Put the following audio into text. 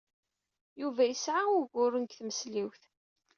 Yuba yesɛa uguren deg tmesliwt.